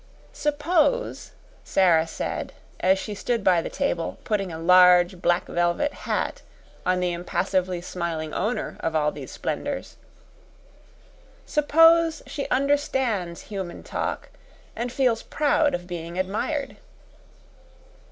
"Suppose," Sara said, as she stood by the table, putting a large, black velvet hat on the impassively smiling owner of all these splendors "suppose she understands human talk and feels proud of being admired."